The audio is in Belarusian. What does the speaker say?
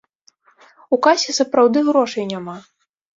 У касе сапраўды грошай няма.